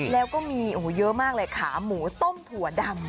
แล้วก็มีเยอะมากเลยขาหมูต้มถั่วดำ